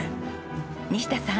西田さん。